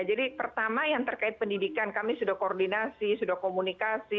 jadi pertama yang terkait pendidikan kami sudah koordinasi sudah komunikasi